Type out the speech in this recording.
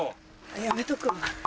やめとくわ。